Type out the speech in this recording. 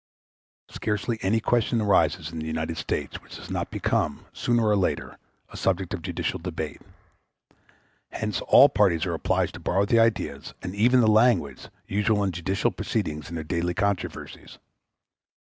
Scarcely any question arises in the United States which does not become, sooner or later, a subject of judicial debate; hence all parties are obliged to borrow the ideas, and even the language, usual in judicial proceedings in their daily controversies.